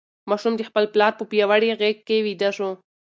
ماشوم د خپل پلار په پیاوړې غېږ کې ویده شو.